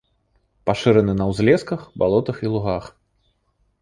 Пашыраны на ўзлесках, балотах і лугах.